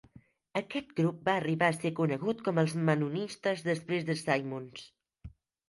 Aquest grup va arribar a ser conegut com els mennonites després de Simons.